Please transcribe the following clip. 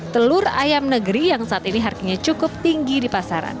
telur ayam negeri yang saat ini harganya cukup tinggi di pasaran